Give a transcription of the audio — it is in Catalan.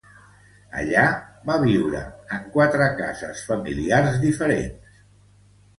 Allà va viure en quatre cases familiars diferents.